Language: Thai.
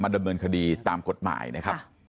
ดำเนินคดีตามกฎหมายนะครับ